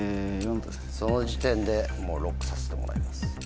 その時点でＬＯＣＫさせてもらいます。